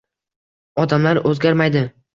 Odamlar o’zgarmaydi